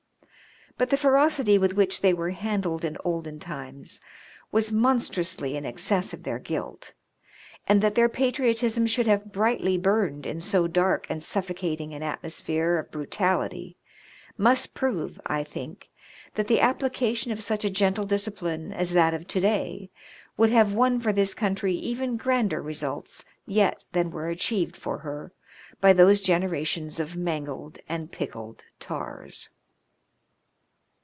But the ferocity with which they were handled in olden times was monstrously in excess of their guilt ; and that their patriotism should have brightly burned in so dark and suffocating an atmosphere of brutality must prove, I think, that the application of such a gentle discipline as that of to day would have won for this country even grander results yet than were achieved for her by those generations of mangled and pickled tars.